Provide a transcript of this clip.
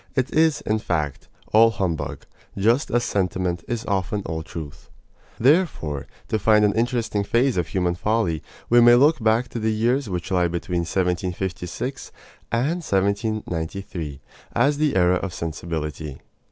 It is, in fact, all humbug, just as sentiment is often all truth. Therefore, to find an interesting phase of human folly, we may look back to the years which lie between 1756 and 1793 as the era of sensibility.